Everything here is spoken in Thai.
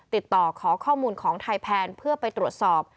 ติดต่อขอข้อมูลของไทยแพนเพื่อไปตรวจสอบ